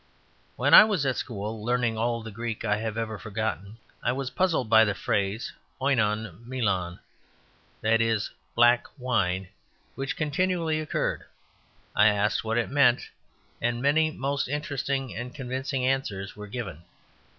When I was at school learning all the Greek I have ever forgotten, I was puzzled by the phrase OINON MELAN that is "black wine," which continually occurred. I asked what it meant, and many most interesting and convincing answers were given.